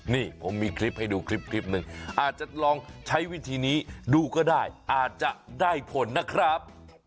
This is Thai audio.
นี่ผมมีคลิปให้ดูคลิปหนึ่งอาจจะลองใช้วิธีนี้ดูก็ได้อาจจะได้ผลนะครับ